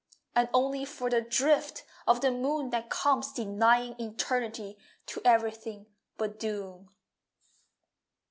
And only for the drift Of the moon that comes denying Eternity to everything but Doom.